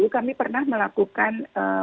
kami pernah melakukan